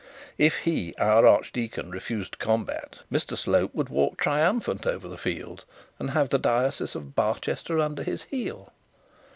If he, our archdeacon, refused to combat, Mr Slope would walk triumphant over the field, and have the diocese of Barchester under his heel.